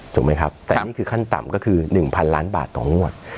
ถูกมั้ยครับแต่นี่คือขั้นต่ำก็คือ๑๐๐๐๐๐๐บาทต่องวด